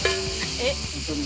えっ？